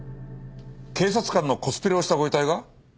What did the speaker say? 警察官のコスプレをしたご遺体が？